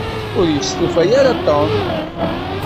Ur yestufa ara Tom.